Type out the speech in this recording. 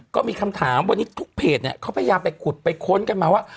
ก็มีคำถามวันนี้ทุกเพจเนี่ยเขาพยายามไปขุดไปค้นกันมาว่า